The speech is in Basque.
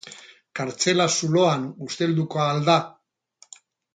Kartzela zuloan ustelduko ahal da!